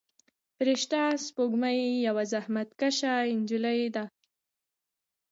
فرشته سپوږمۍ یوه زحمت کشه نجلۍ ده.